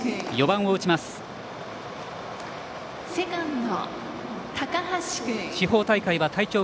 ４番を打ちます、山口。